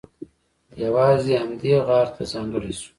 یوازې همدې غار ته ځانګړی شو.